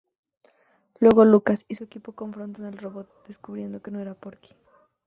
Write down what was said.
Luego Lucas y su equipo confrontan al robot, descubriendo que no era Porky.